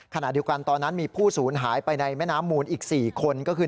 ขณะเดียวกันตอนนั้นมีผู้สูญหายไปในแม่น้ำมูลอีก๔คนก็คือ